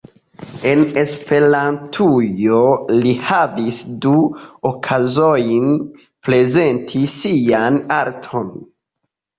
En Esperantujo li havis du okazojn prezenti sian arton.